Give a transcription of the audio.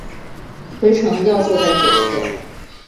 回程要坐在左侧